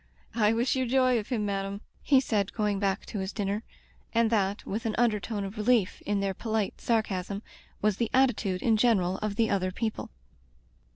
"I wish you joy of him, madam," he said, going back to his dinner, and that, with an undertone of relief in their polite sarcasm, was the attitude in general of the other people.